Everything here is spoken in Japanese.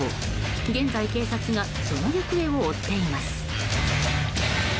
現在、警察がその行方を追っています。